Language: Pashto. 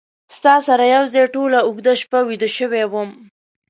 ستا سره یو ځای ټوله اوږده شپه ویده شوی وم